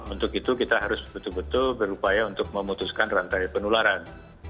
untuk itu kita harus betul betul berupaya untuk memutuskan rantai penularan